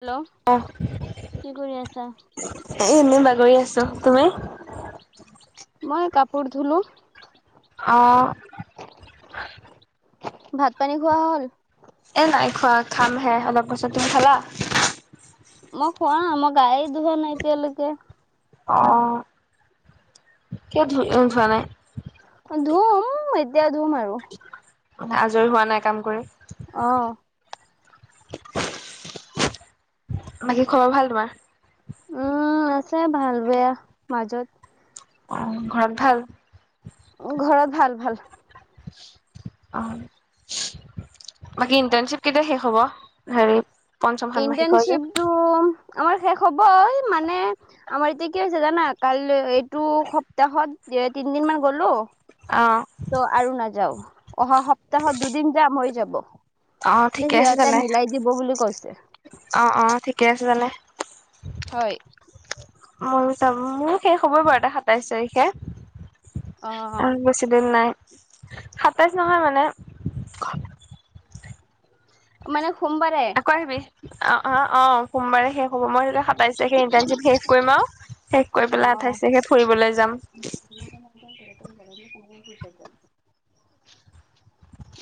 Hello, অহ কি কৰি আছা? এ', এনে বাগৰি আছো। তুমি? মই কাপোৰ ধুলো। অ', ভাত পানী খোৱা হ'ল। এ', নাই খোৱা খাম হে, অলপ পাছত তুমি খালা? মই খোৱা মই গায়ে ধোৱা নাই এতিয়ালৈকে। অ', কিয় [unintelligible] ধোৱা নাই। ধোম এতিয়া ধোম আৰু আজৰি হোৱা নাই, কাম কৰি। অ', বাকী খবৰ ভাল তোমাৰ? উম', আছে ভাল, বেয়া মাজত। অ', ঘৰত ভাল? ঘৰত ভাল ভাল। অ', বাকী ইণ্টাৰণশ্বিপ কেইটায়া শেষ হ'ব? হেৰি, পঞ্চম ষান্মাসিকৰ যে ইণ্টাৰ্ণশ্বিপটো আমাৰ শেষ হ'বই মানে, আমাৰ এতিয়া কি হৈছে জানা কালৈ এইটো সপ্তাহত তে তিনদিন মান গ'লো। অ', ত',, আৰু নাযাও, অহা সপ্তাহত দুদিন যাম হৈ যাব। অ ত', ঠিকে সিহঁতে মিলাই দিব বুলি কৈছে। অঁ অঁ ঠিকে আছে তেনে। হয়। ময়ো যাম মোৰো শেষ হ'বই বাৰু এটা সাতাইশ তাৰিখে। অ', উম বেছি দিন নাই, সাতাইছ নহয় মানে মানে সোমবাৰে। পাৰিবি, অ অ অ সোমবাৰে শেষ হ'ব মই তেতিয়া সাতাইশ তাৰিখে ইটাৰশ্বিপ শেষ কৰিম আও শেষ কৰি পেলাই আঠাইছ তাৰিখে ফুৰিবলৈ যাম।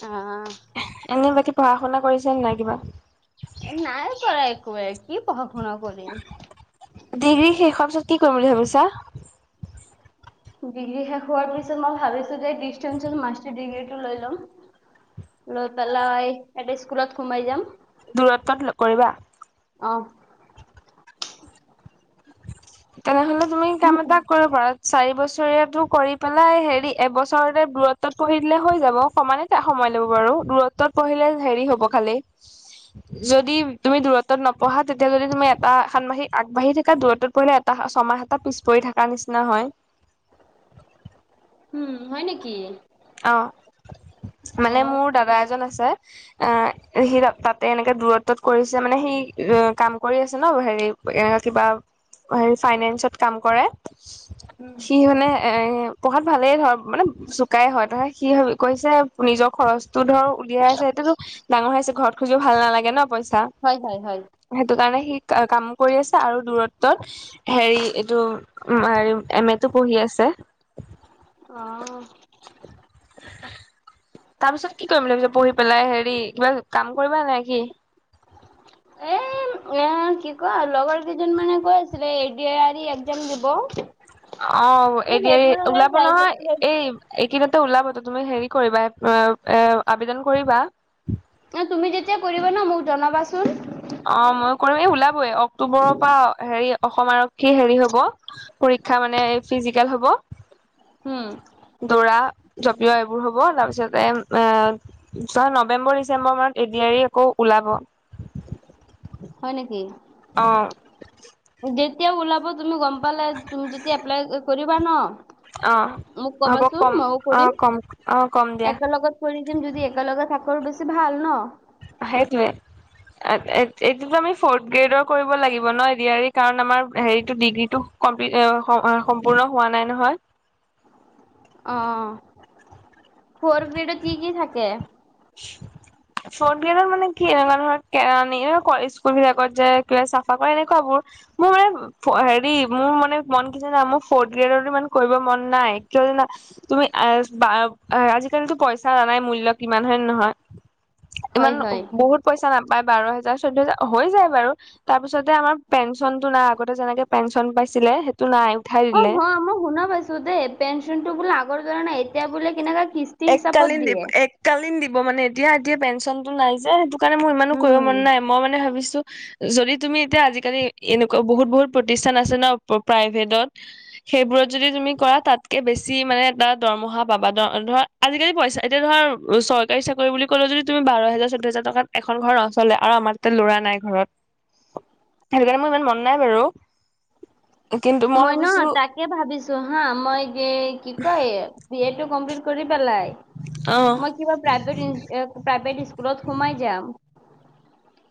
[inaudible] অহ। এনেই বাকী পঢ়া-শুনা কৰিছে নে নাই কিবা? এই নাই কৰা একোৱে কি পঢ়া-শুনা কৰিম। ডিগ্ৰী শেষ হোৱাৰ পিছত কি কৰিম বুলি ভাবিছা? ডিগ্ৰী শেষ হোৱাৰ পিছত মই ভাবিছো যে ডিচটেন্সত মাষ্টাৰ ডিগ্ৰীটো লৈ ল'ম। লৈ পেলাই এ ডি স্কুলত সোমাই যাম। দূৰত্বত কৰিবা? অহ। তেনেহলে তুমি কাম এটা কৰিব পাৰা চাৰি বছৰীয়াটো কৰি পেলাই হেৰি এবছৰতে দূৰত্বত পঢ়ি দিলে হৈ যাব, সমানে এ সময় ল'ব বাৰু, দূৰত্বত পঢ়িলে হেৰি হ'ব খালি [inaudible] যদি তুমি দূৰত্বত নপঢ়া তেতিয়া যদি তুমি এটা সানমাসিক আগবাঢ়ি থাক এটা দূৰ দূৰতত পৰিলে এটা ছমাহ এটা পিছ পৰি থকাৰ নিচিনা হয়। উম হয় নেকি? অঁ, মানে অ মোৰ দাদা এজন আছে অ সি তাতে এনেকে দূৰত্বত কৰিছে মানে সি অ কাম কৰি আছে ন হেৰি এ কিবা হেৰি ফাইনেন্সত কাম কৰে। সি মানে এ পঢ়াত ভালেই ধৰ মানে চোক কাই হয়, ত সি কৈছে নিজৰ খৰচটো ধৰ উলিয়াই আছে সেইটোতো ডাঙৰ হৈ আহিছে ঘৰত খুজিও ভাল নালাগে ন পইচা। হয় হয় হয়। সেইটো কাৰণে সি কাম কৰি আছে আৰু দূৰত্বত হেৰি এইটো উম এম এ টো পঢ়ি আছে। অহ। [inaudible] তাৰপিছত কি কৰিম ভাবিছা পঢ়ি পেলাই হেৰি কিবা কাম কৰিবা নে কি? এ এ কি ক লগৰ কেইজন মানে কৈ আছিলে এ দি আৰ ই একজাম দিব। অ এ ত' দি আৰ ই সেইবোৰলে ওলাব নহয় যাই এই এইকেইদিনতে ওলাবতো তুমি হেৰি কৰিবা এ এ আবেদন কৰিবা। এ তুমি যেতিয়া কৰিবা ন মোক জনাবাচোন। অ মই কৰিম, এই ওলাবই অক্টোবৰৰ পৰা হেৰি অসম আৰক্ষী হেৰি হব। পৰীক্ষা মানে ফিজিকেল হ'ব। হুম। দৌৰা, জপিওৱা এইবোৰ হ'ব তাৰপিছতে এ জৰ নৱেম্বৰ ডিচেম্বৰ মানত এ দি আৰ ই আকৌ ওলাব। [inaudible] হয় নেকি? অ'। যেতিয়া ওলাব তুমি গম পালে, তুমি যেতিয়া এপ্লাই কৰিবা ন অ মোক হ'ব ক'বাচোন কম মইও অ কৰিম, কম অ কম দিয়া একেলগত কৰি দিম যদি একেলগে থাকো আৰু বেছি ভাল ন? সেইতোৱে। এ-এ-এইটোতো আমি ফৰ্থ গ্ৰেডৰ কৰিব লাগিব ন? এ দি আৰ ই কাৰণ আমাৰ হেৰিটো ডিগ্ৰীটো কমপ্লিট অ'-সম্পূৰ্ণ হোৱা নাই নহয়। অ', ফৰ গ্ৰেডত কি কি থাকে? [inaudible] ফ্ৰট গ্ৰেদৰ মানে কি এনেকুৱা ধৰ কেৰানী, এ স্কুল বিলাকত যোয় কিবা চাফা কৰে, এনেকুৱা বোৰ। মোৰ মানে হেৰি মোৰ মানে মন কি জানা? মোৰ ফৰ্থ গ্ৰেডৰো ইমান কৰিব মন নাই, কিয় জানা? তুমি আজ-বা-আজিকালিতো পইচা জানাই মূল্য কি ইমান হয়ন নহয়? হয় ইমান হয় বহুত পইচা নাপায় বাৰ হেজাৰ, চৈধ্য হেজাৰ, হৈ যায় বাৰু। তাৰ পিছতে আমাৰ পেঞ্চনতটো নাই, আগতে যেনেকে পেঞ্চন পাইছিলে সে তো নাই উঠাই দিলে অ' হয়, মই শুনা পাইছো দেই পেঞ্চন টো বোলে আগৰ দৰে নাই এতিয়া বোলে কেনেকা কিচ এক কালীন দিব, এক কালীন দিব মানে এতিয়া, এতিয়া পেঞ্চনতটো নাই যে সেইটো টো কাৰণে মোৰ ইমানো কৰিব উম মন নাই, মই মানে ভাবিছোঁ‌ যদি তুমি এতিয়া আজিকালি এনেকুৱা বহুত বহুত প্ৰতিষ্ঠান আছে ন প্ৰাইভেটত? সেইবোৰত যদি তুমি কৰা তাতকে বেছি মানে এটা দৰমহা পাবা, দ-ধৰা আজিকালি পইচা এতিয়া ধৰা চৰকাৰী চাকৰি বুলি ক'লেও যদি তুমি বাৰ, হাজাৰ চৈধ্য হাজাৰ, টকাত এখন ঘৰ নচলে, আৰু আমাৰ ল'ৰা নাই ঘৰত, সেইটো কাৰণে মোৰ ইমান মন নাই বাৰু। কিন্তু মই ন ভাবিছো তাকে ভাবিছো হা, মই যে, কি কয়? বি এ টো কম্পিল্ট কৰি পেলাই অ মই কিবা প্ৰাইভেট ইন এ প্ৰাইভেট স্কুলত সোমাই যাম।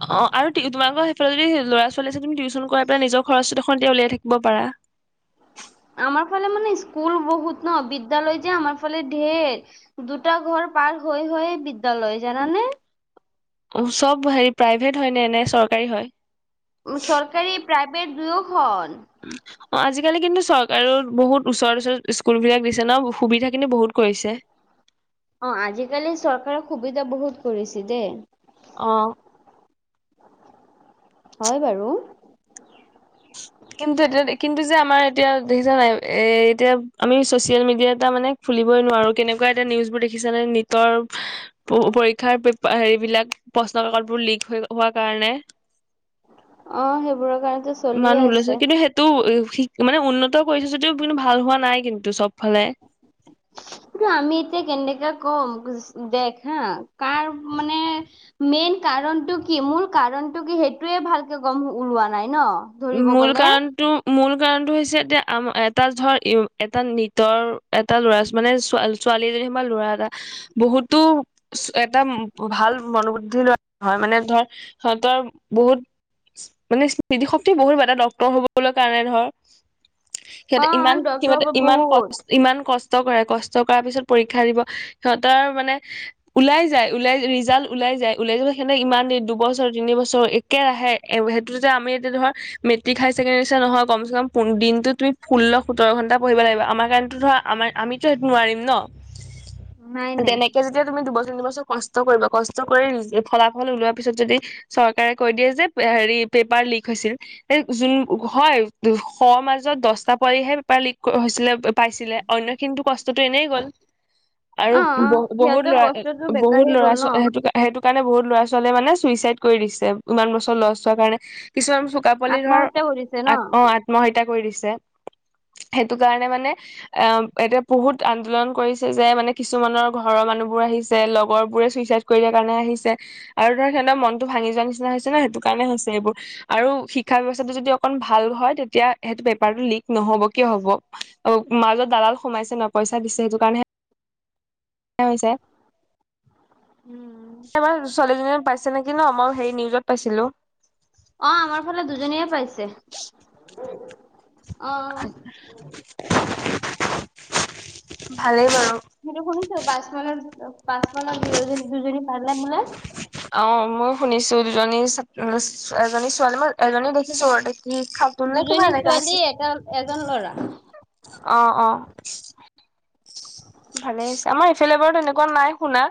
অ', আৰু তোমালোকৰ সেইাফালে যদি ল'ৰা-ছোৱালী আছে তুমি তিউচন কৰাই পেলাই নিজৰ খৰচটো দেখোন এতিয়া উলিয়াই থাকিব পাৰা। আমাৰ ফালে মানে স্কুল বহুত ন, বিদ্যালয় যে আমাৰ ফালে ধেৰ। দুটা ঘৰ পাৰ হৈ হৈয়ে বিদ্যালয়, জানানে? চব হেৰি প্ৰাইভেট হয় নে, নে চৰকাৰী হয়? চৰকাৰী, প্ৰাইভেট দুয়োখন। [inaudible] অ', আজিকালি কিন্তু চৰকাৰেও বহুত ওচৰত ওচৰত স্কুল বিলাক দিছে ন? সুবিধা কিন্তু বহুত কৰিছে। অ', আজিকালি চৰকাৰে সুবিধা বহুত কৰিছে দেই। অ'। হয় বাৰু। কিন্তু এতিয়া কিন্তু যে আমাৰ এতিয়া দেখিছা নাই? এ এতিয়া আমি চচিয়েল মিডিয়া এটা মানে খুলিবই নোৱাৰো কেনেকুৱা এটা নিউজ বোৰ দেখিছানে? নিতৰ প-পৰীক্ষাৰ পেপা হেৰিবলাক প্ৰশ্ন কাকত বোৰ লিক হৈ-হোৱা কাৰণে অ', সেইবোৰ কাৰনেটো চ ইমান হুলস্থূল, কিন্তু সেইটো মানে উন্নত কৰিছে যদিও কিন্তু ভাল হোৱা নাই কিন্তু চবফালে। কিন্ত আমি এতিয়া কেনেকে কম? দেখ হা কাৰ মানে মেইন কাৰণটো কি, মূল কাৰণটো কি সেইটোয়ে ভালকে গম ওলোৱা নাই ন? ধৰিব মূল গলে কাৰণটো মূল কাৰণটো হৈছে, এতিয়া আমৰ এটা ধৰ এটা নিটৰ এটা ল'ৰা মানে ছোৱালী ছোৱালীজনী সিমান ল'ৰা এটা বহুতো এটা ভাল মনোবুদ্ধি লোৱা হয়। মানে ধৰ সিঁহতৰ বহুত মানে স্মৃতি শক ক্তি বহুত হ'ব ডক্তৰ হ'বলৈ কাৰণে ধৰ, অ সিহঁতে ইমান সিহঁতে ডক্তৰ ইমান বহুত কষ্ট ইমান কষ্ট কৰে, কষ্ট কৰা পিছত পৰীক্ষা দিব। সিহঁতৰ মানে ওলাই যায় ওলাই ৰিজাল্ট ওলাই যাই, ওলাই যাব সেনেক ইমান দি দুবছৰ তিনিবছৰ একেৰাহে এ সেইটোতে আমি এতিয়া ধৰ মেট্ৰিক হায়াৰ ছেকণ্ডেৰী নিচিনা নহয়, কম চে কম দিনটোত তুমি ষোল্ল সোতৰ ঘণ্টা পঢ়িব লাগিব। আমাৰ কাৰণেতো ধৰ আমাৰ। আমিতো হেইটো নোৱাৰিম ন? নাই নাই তেনেকে যেতিয়া তুমি দুবছৰ তিনিবছৰ কষ্ট কৰিবা, কষ্ট কৰি ফলাফল ওলোৱা পিছত যদি চৰকাৰে কৈ দিয়ে যে হেৰি পেপাৰ লিক হৈছিল। যোন হয় শৰ মাজত দহটা পহে পেপাৰ লিক হৈছিলে। পাইছিলে, অন্যখিনিৰতো কষ্টতোটো এনেই গ'ল? আৰু অ বহু বহুত সিহঁতৰ লৰা কষ্টটো বেকাৰী বহুত ল'ৰা গ'ল ন ছো সেইটো কা সেইটো কাৰণে বহুত ল'ৰা ছোৱালীয়ে মানে চুইচাইড কৰি দিছে, ইমান বছৰ লষ্ট হোৱাৰ কাৰণে কিছুমান চোকাপোৱালি ধৰ আত্মহত্যা কৰিছে ন আ অ আত্মহত্যা কৰি দিছে। সেইটো কাৰণে মানে অ' এতিয়া বহুত আন্দোলন কৰিছে, যে মানে কিছুমানৰ ঘৰৰ মানুহ বোৰ আহিছে লগৰ বোৰে চুইচাইড কৰি দিয়াৰ কাৰণে আহিছে। আৰু ধৰ সিহঁতৰ মনতটো ভাঙি যোৱা নিচিনা হৈছে ন, সেইটো কাৰণে হৈছে এইবোৰ। আৰু শিক্ষা ব্যৱস্থাটো যদি অকন ভাল হয় তেতিয়া সেইটো পেপাৰটো লিক নহ'ব, কিয় হ'ব। অ' মাজত দালাল সোমাইছে ন পইচা দিছে। সেইটো কাৰণে এইয়া হৈছে। উম। এইবাৰ ছোৱালী এজনীয়ে পাইছে নেকি ন, মই হেৰি নিউজত পাইছিলো? অ' আমাৰ ফালে দুজনীয়ে পাইছে। অ [inaudible] ভালে বাৰু। সিটো শুনিছো পাঁচ মাইলত পাঁচ মাইলত দুজনী পালে বোলে। অ', মই শুনিছোঁ, দুজনী ছাত্ৰ এজনী ছোৱালী মই এজনী দেখিছোঁ। উম, খাতোন নে কিবা দুজনী এনেকা ছোৱালী আছে। এটা এজন ল'ৰা। অ', অ'। ভালে হৈছে, আমাৰ এইফেলে বাৰু তেনেকুৱা নাই শুনা।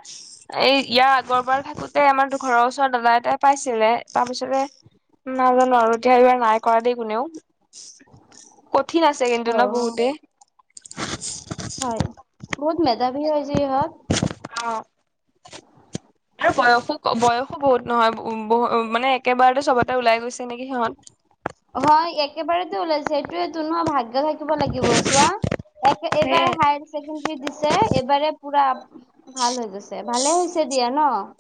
এই ইয়াৰ আগৰ বাৰ থাকোতে আমাৰ তোৰ ঘৰৰ ওচৰত দাদা এটাই পাইছিলে। তাৰ পিছতে নাজানো আৰু এতিয়া এই বাৰ নাই কৰা দেই কোনেওঁ, কঠিন আছে কিন্তু অ ন' বহুত। হয়, বহুত মেধাবী হয় যে ইহঁত। অ'। আৰু বয়সো বয়সো বহুত নহয়। উম, বহ মানে একেবাৰতে চবতে ওলাই গৈছে নেকি সিহঁত। হয়, একেবাৰতে ওলাইছে সেইটোৱেটো ন' ভাগ গ্য থাকিব লাগিব, চোৱা এক সেয়ে এইবাৰে হায়াৰ ছেকেণ্ডৰী দিছে এইবাৰে পুৰা ভাল হৈ গৈছে। ভালে হৈছে দিয়া ন'?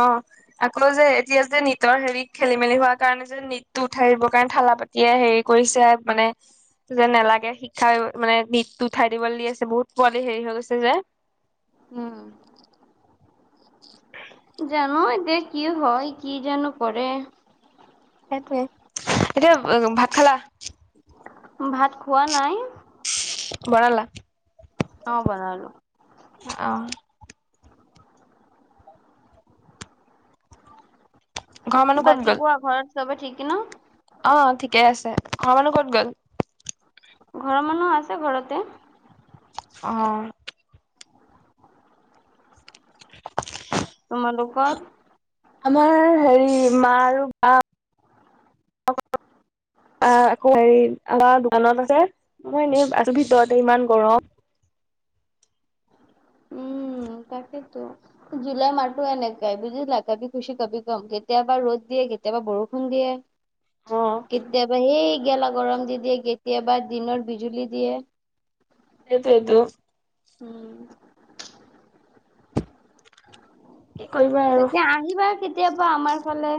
অ'। আকৌ যে এতিয়া যে নীটৰ হেৰিত খেলি মেলি হোৱা কাৰণে যে নীটটো উঠাই দিব। কাৰণ থালা পাত তিয়ে হেৰি কৰিছে মানে যে নালাগে শিক্ষা মানে নীটটো উঠাই দিবলৈ দি আছে, বহুত পোৱালি হেৰি হৈ গৈছে যে। উম। [inaudible] জানই যে কি হয় কি জানো কৰে। সেইটোৱে, [unintelligible] ভাত খালা? ভাত খোৱা নাই। বনালা? অ', বনালোঁ। আহ। ঘৰৰ মানুহ ক'ত বাকি গ'ল? কোৱা ঘৰত চবে ঠিক ন'? অ', ঠিকে আছে। ঘৰৰ মানুহ ক'ত গ'ল? ঘৰৰ মানুহ আছে ঘৰতে। অ'। তোমালোকৰ আমাৰ হেৰি মা আৰু বা [inaudible] বা আকৌ হেৰি আমাৰ দোকানত আছে। মই এনে আছোঁ ভিতৰতে ইমান গৰম। উম, তাকেইতো। জুলাই মাহটো এনেকাই বুজিছিলা কবি খুচি কবি গম। কেতিয়াবা ৰ'দ দিয়ে কেতিয়াবা বৰষুণ দিয়ে। অ', কেতিয়াবা হে গেলা গৰম দি দিয়ে, কেতিয়াবা দিনত বিজুলী দিয়ে। সেইটোৱেইটো। উম। কি কৰিবা আৰু। তেতিয়া আহিবা কেতিয়াবা আমাৰ ফালে।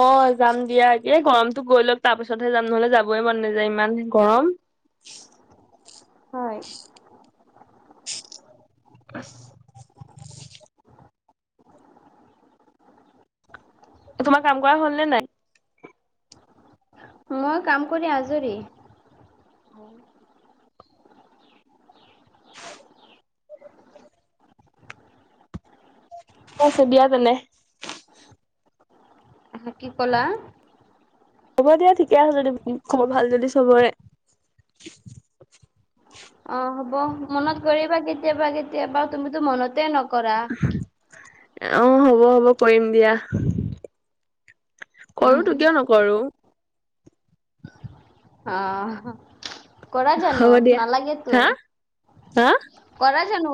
অ' যাম দিয়া। এ, গৰমতো গৈ লওক তাৰপিছতহে যাম নহ'লে যাবই মন নাযায় ইমান গৰম। হয়। [inaudible] এ, তোমাৰ কাম কৰা হ'ল নে নাই? মই কাম কৰি আজৰি। [inaudible] [inaudible] থৈছো দিয়া তেনে হা কি ক'লা? হ'ব দিয়া ঠিকে আছে যদি খবৰ ভাল যদি চবৰে। অ' হ'ব। মনত কৰিবা কেতিয়াবা কেতিয়াবা তুমিতো মনতে নকৰা। অ' হ'ব হ'ব কৰিম দিয়া। কৰো উম হ তো কিয় নকৰো আহ কৰা জানো হ'ব দিয়া নালাগে তো, হা হা কৰা জানো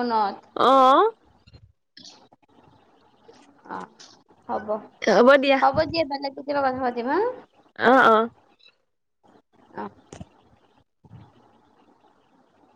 মনত? অ'। অ' হ'ব হ'ব দিয়া বেলেক দিনা কথা পাতিম হা। অ' অ'। অ'।